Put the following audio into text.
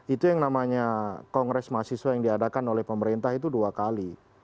itu yang namanya kongres mahasiswa yang diadakan oleh pemerintah itu dua kali